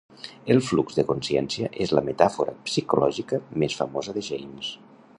El flux de consciència és la metàfora psicològica més famosa de James.